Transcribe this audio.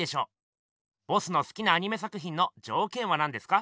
ボスのすきなアニメ作ひんのじょうけんはなんですか？